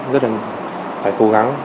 rất là phải cố gắng